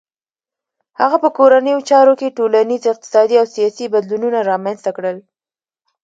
هغه په کورنیو چارو کې ټولنیز، اقتصادي او سیاسي بدلونونه رامنځته کړل.